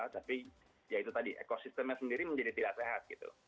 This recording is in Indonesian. tapi ya itu tadi ekosistemnya sendiri menjadi tidak sehat gitu